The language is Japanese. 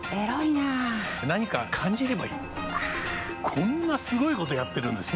こんなすごいことやってるんですよ。